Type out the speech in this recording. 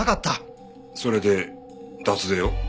それで脱税を？